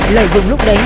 lợi dụng lúc đấy